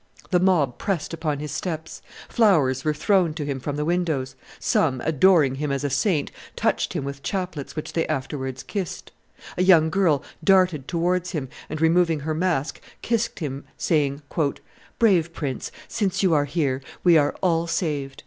The mob pressed upon his steps; flowers were thrown to him from the windows; some, adoring him as a saint, touched him with chaplets which they afterwards kissed; a young girl darted towards him, and, removing her mask, kissed him, saying, "Brave prince, since you are here, we are all saved."